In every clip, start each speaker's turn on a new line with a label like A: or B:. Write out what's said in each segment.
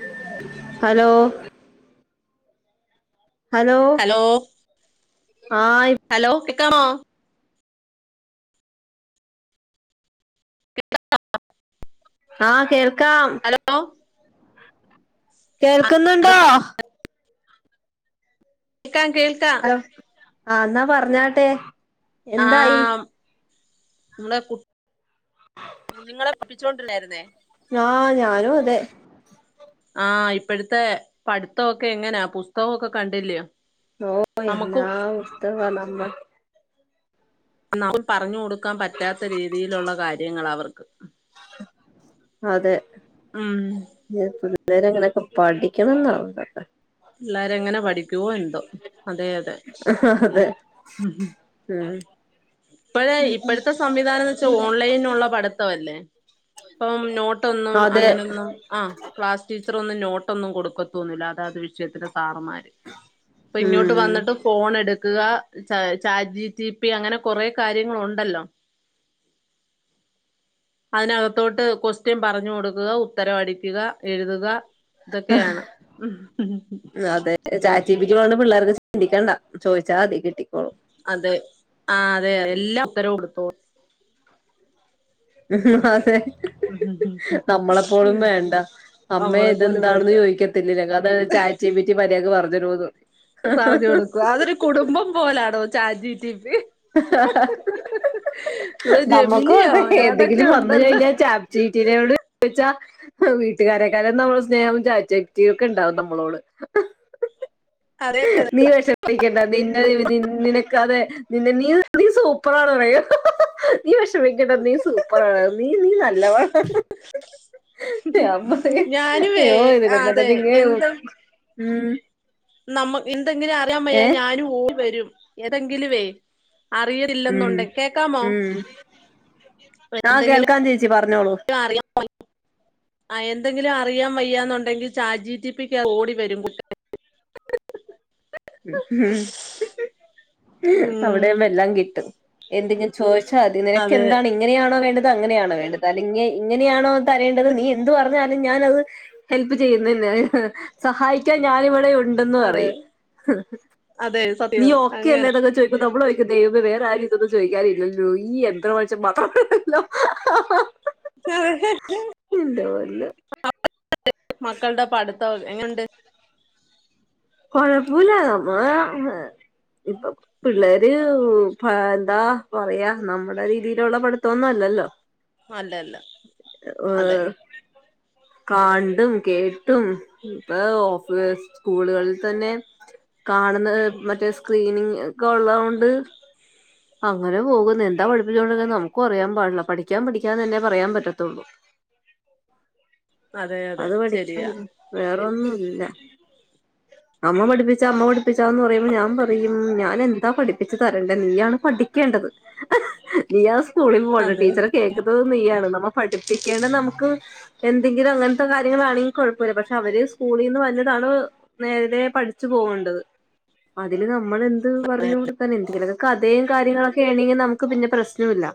A: [inaudible] Hello hello ആ
B: കെകാവോ [unintelligible] [unintelligible]
A: ആ കേൾക്കാം.
B: ഹലോ
A: കേൾക്കുന്നുണ്ടോ?
B: കേൾക്കാ കേൾകാം
A: ഹലോ ആ ന്നാ പറഞ്ഞാട്ടെ എന്തായി?
B: മ്മളെ കുഞ്ഞുങ്ങളെ പഠിപ്പിച്ചോണ്ടില്ലേര്ന്നേ
A: ആ ഞാനും അതെ.
B: ആ ഇപ്പോഴത്തെ പഠിത്തൊക്കെ എങ്ങനാ പുസ്തകൊക്കെ കണ്ടിലിയോ -
A: ഓ എല്ലാ പുസ്ത നമ്മ
B: മുക്ക് പറഞ്ഞു കൊടുക്കാൻ പറ്റാത്ത രീതിയിലുള്ള കാര്യങ്ങളാവർക്ക്.
A: അതെ.
B: ഉം
A: നേരെങ്ങനെയൊക്കെ പഠിക്കണംന്നാവണ്ടക്കെ
B: പിള്ളരെ എങ്ങനെ പഠിക്കുവോ എന്തോ അതെ യതെ.
A: അതെ ഉം
B: ഇപ്പഴേ ഇപ്പോഴത്തെ സംവിധാനന്ന് വെച്ചാ ഓൺലൈനുള്ള പഠിത്തം അല്ലേ. പ്പം നോട്ടൊന്നും
A: അതെ
B: അങ്ങനൊന്നും ആ ക്ലാസ് ടീ അത്രൊന്നും നോട്ടൊന്നും കൊടുക്കത്തോന്നുന്നില്ല അതാത് വിഷത്തിന് സാറുമാര് ഇപ്പൊ ഇങ്ങോട്ട്
A: ഉം
B: വന്നിട്ട് ഫോൺ എടു വക്കുക ച ചാജി ചീപ്പി അങ്ങനെ കൊറേ കാര്യങ്ങുണ്ടല്ലോ. [inaudible] അതിനകത്തോട്ട് ക്വസ്റ്റ്യൻ പറഞ്ഞു കൊടുക്കുക ഉത്തരവടിക്കുക, എഴുതുക. ഇതൊക്കെയാണ്. [unintelligible]
A: ള്ള പിള്ളേർക്ക് ചിന്തിക്കണ്ട ചോയിച്ചാതി കിട്ടി.
B: അതെ ആ അതെ അതെ എല്ലാം ഉത്തര കൊടുത്തോ
A: മ് അതെ [unintelligible] നമ്മളെപ്പോഴും വേണ്ട അമ്മേ
B: അവളെ പോലും വേണ്ട
A: ഇതെന്താണെന്ന് ചോദിക്കത്തില്ലല്ലോ അതയ ചാറ്റ് ജി പി ട്ടി മര്യാഗ പറഞ്ഞേരോന്ന്.
B: പറഞ്ഞ് കൊടുക്കും അതൊരു കുടുംബം പോലാണോ ചാ ജി ടി പി
A: ഹ ഹ ഹ
B: എന്തോ
A: [unintelligible] നമ്മുക്കും
B: ജെമിനിയോ
A: അതെ
B: ഏതൊക്കെ
A: എന്തെങ്കിലും വന്ന്
B: ഉണ്ടല്ലോ
A: കഴിഞ്ഞാൽ ചാപ് ചീറ്റിനോട് ചോയിച്ചാ വീട്ടുകാരെക്കാളും നമ്മള് സ്നേഹം ചാച്ച വക്തിക്ക്ണ്ടാവും നമ്മളോട്.
B: അതെ
A: നീ വെഷമിക്കണ്ട നിന്നെ ഇവനിന്ന് നിനക്കാതെ നിന്ന നീ നീ സൂപ്പറാണ് അറിയും. നീ വെ ഷമിക്കണ്ട നീ സൂപ്പറാണ്. നീ നീ നല്ലവ [unintelligible]
B: ഞാനുവേ അതെ എന്ത
A: ഉം
B: നമ്മ എന്തെങ്കിലും അറിയാൻ
A: ഏ
B: വയ്യ ഞാനും ഓ വരും ഏതെങ്കിലുവേ, അറിയതില്ലെന്നുണ്ട് കേക്കാമോ?
A: ആഹ
B: എന്തെങ്കിലും
A: കേൾക്കാൻ ചേച്ചി പറഞ്ഞോളൂ,
B: അ എന്തെങ്കിലും അറിയാൻ വയ്യാന്നുണ്ടെങ്കിൽ ചാറ്റ് ജി റ്റിപിക്ക് ഓടി വരും കുട്ട
A: ഉം
B: ഉം
A: അവിടാവുമ്പം എല്ലാം കിട്ടും എന്തെങ്കിലും ചോദി ച്ചാ നിനക്ക്
B: അതെ
A: എന്താണ് ഇങ്ങനെയാണോ വേണ്ടത് അങ്ങനെയണോ വേണ്ടത് അല്ലെങ്കി ഇങ്ങനെയാണോ തരേണ്ടത് നീ എന്ത് പർഞ്ഞാലും ഞാനത് ഹെൽപ് ചെയ്യുന്നന്നെ സഹായിക്കാൻ ഞാൻ ഇവിടെ ഉൺ ണ്ടെന്നു
B: അതെ
A: പറയും.
B: അതെ
A: നീ
B: സത്യം അങ്ങനെ
A: ഓക്കെയല്ലടാ ന്നൊക്കെ ചോയ്ക്കും നമ്മൾ ചോയ് ദൈവമേ വേറെ ആര്തൊന്നും ചോയ്ക്കാറില്ലല്ലോ ഈ യന്ത്രമനഷ്യ മാത്രം
B: അതെ
A: [unintelligible]
B: മക്കൾടെ പഠിത്തം എങ്ങണ്ട്?
A: കൊഴപ്പൊല്ല നമ്മ ആ ഇപ്പൊ പിള്ളേര് പാ എന്താ പറയാ നമ്മുടെ രീതിയിലുള്ള പഠിത്തന്നൊ ന്തെല്ലോ
B: അല്ലല്ല അതെ
A: കാണ്ടും കേട്ടും ഇപ്പൊ ഓഫീ സ്കൂളുകൾ തന്നെ കാണുന്ന മറ്റേ സ്ക്രീനിങ് ഒക്കെ ഉള്ളോണ്ട്. അങ്ങനെ പോകുന്നു എന്താ പഠിപ്പിച്ചോണ്ടിരുന്ന നമുക്കും അറിയൻ പാടില്ല. പഠിക്കാൻ പഠിക്കാന്ന് തന്നെ പറയാൻ പറ്റത്തുള്ളൂ.
B: [inaudible] അതെ
A: അത് പഠിക്ക്‌
B: ശരിയാ
A: വേറൊന്നും ഇല്ല. അമ്മ പഠിപ്പിച്ച അമ്മ പഠിപ്പിച്ചാന്ന് പറയുമ്പോൾ ഞാൻ പറയും ഞാൻ എന്താ പഠിപ്പിച്ചു തരേണ്ടേ നീയാണ് പഠിക്കേണ്ടത് ഹെ നീയാ സ്കൂളിൽ പോണ്ട
B: അതെ
A: ടീച്ചറെ കേൾക്കുന്നതും നീയാണ് നമ്മ പഠി ചിരിക്കേണ്ട നമുക്കും എന്തെങ്കിലും അങ്ങനത്തെ കാര്യങ്ങളാണെങ്കിൽ കുഴപ്പമില്ല പക്ഷെ അവര് സ്കൂളിൽ നിന്ന് വര്ണതാണ് നേര പഠിച്ചു പോവണ്ടത് അതില് നമ്മള് എന്ത് പറഞ്ഞു കൊടുത്താല എന്തെങ്കിലൊക്കെ കാ ഇത്രേം കാര്യങ്ങളൊക്കെ ആണെങ്കി നമുക്ക് പിന്നെ പ്രശ്നൊല്ല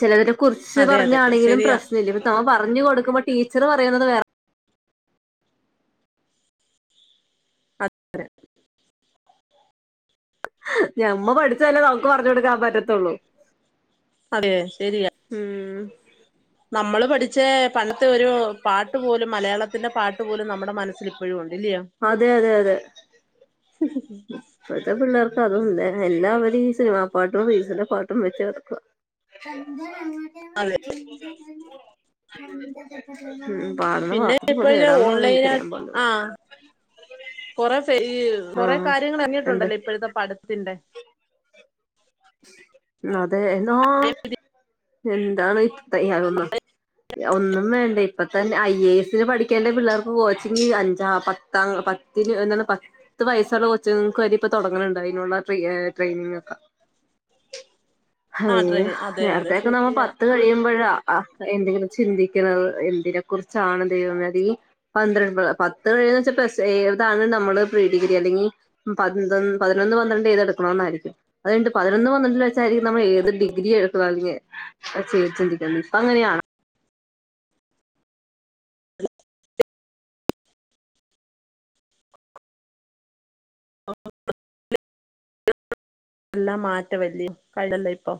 A: ചെലവര് കുർച്ച്
B: അതെ അതെ
A: പറഞ്ഞാണെങ്കിലും
B: ശരിയാ
A: പ്രശ്നല്ല. ഇപ്പൊ നമ്മ പറഞ്ഞു കൊടുക്കുമ്പോ ടീച്ചറ് പറയുന്നത് വേറെ
B: അതെ
A: ഞമ്മ പഠിച്ചതല്ലേ നമുക്ക് പറഞ്ഞു കൊടുക്കാൻ പറ്റത്തുള്ളൂ.
B: അതെ ശരിയാ
A: ഉം
B: നമ്മള് പഠിച്ച പണ്ടത്തെ ഒരു പാട്ട്പോലും മലയാളത്തിന്റെ പാട്ട് പോലും നമ്മുടെ മനസ്സില് ഇപ്പഴും
A: അതെ അതെ അതെ
B: [inaudible]
A: പ്പത്തെ പിള്ളേർക അതും ഒണ്ട് എല്ലാവരും ഈ സിനിമാ പാട്ടും റീൽസിന്റെ പാട്ടും വെച്ച് നടക്കുവാ - [inaudible]
B: അതെ
A: മ് മ് പാടുന്ന
B: പിന്നെ
A: പാട്ട് പോലും
B: ഇപ്പോഴ
A: ഏതാണെന്ന്പോലും
B: ഓൺലൈനായി
A: എനിക്കറിയാൻ പാടില.
B: ആ കൊറെ ഫയീ കൊറെ കാര്യങ്ങൾ
A: എന്ത്
B: എറങ്ങീട്ടുണ്ടല്ലോ ഇപ്പോഴത്തെ പടത്തിന്റെ.
A: മ് അതെ എന്നാ എന്താണ് തയി അത് ഒന്നും ഒന്നും വേണ്ടെ ഇപ്പ തന്നെ ഐ എ എസിന് പഠിക്കേണ്ട പിള്ളേർക്ക് കോച്ചിങ് അഞ്ച പത്താം പത്തിന് എന്നന്ന പ പത്ത് വയസുള്ള കൊച്ചിങ്ങക്ക് വരെ ഇപ്പൊ തൊടങ്ങണണ്ടതിനുള്ള ട്രിയെ ട്രെയിനിങ്ങ ഒക്കെ.
B: ആ
A: അയ്യ
B: ട്രെയി അതെ അതെ
A: നേരത്തൊക്കെ നമ്മ
B: ശരിയാ
A: പത്ത് കഴിയുമ്പോഴാ ആ എന്തെങ്കിലും ചിന്തിക്ക ഹ് എന്തിനെ കുറിച്ചാണ് ദൈവമേ ഈ പന്ത്ര ഹ് പത്ത് വെച്ച പ്ലസ് ഏതാണ് നമ്മള് പ്രീ ഡിഗ്രി അല്ലെങ്കി പന്ത്ര പതിനൊന്ന് പന്ത്രണ്ട് ഏതെടുക്കണൊന്നായിരിക്കും അതുകഴിഞ്ഞിട്ട് പതിനൊന്ന് പന്ത്രണ്ടിൽ വെച്ചായിരിക്കും നമ്മൾ ഏത് ഡിഗ്രി എടുക്കുന്ന അലോച്ച്ചിണ്ടരിക്കുന്നത് ഇപ്പൊ അങ്ങനെയാണോ.
B: ആഹ [unintelligible] സിലബസ് എല്ലാം മാറ്റ വല്ലി ക [unintelligible] ഴല്ല ഇപ്പൊ